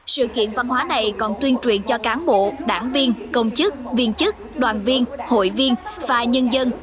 sự kiện văn hóa này còn tuyên truyền cho cán bộ đảng viên công chức viên chức đoàn viên hội viên và nhân dân